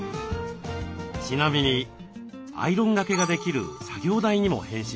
ちなみにアイロンがけができる作業台にも変身します。